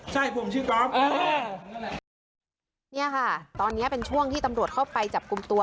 ใช่ผมชื่อก๊อฟเนี่ยค่ะตอนเนี้ยเป็นช่วงที่ตำรวจเข้าไปจับกลุ่มตัว